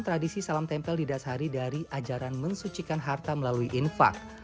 tradisi salam tempel didasari dari ajaran mensucikan harta melalui infak